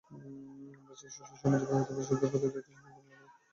আমরা চাই সুশীল সমাজ যেন বিবাহিত শিশুদের প্রতি দায়িত্বশীল ভূমিকা পালন করে।